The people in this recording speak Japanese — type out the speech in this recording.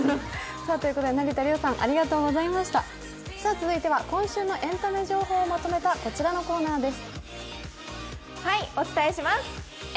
続いては今週のエンタメ情報をまとめたこちらのコーナーです。